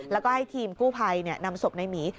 แล้วก็ให้ทีมกู้ภัยนำศพในหมี